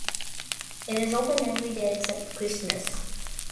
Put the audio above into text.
It is open every day except Christmas.